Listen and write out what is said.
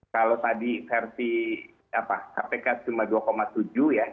kalau tadi versi kpk cuma dua tujuh ya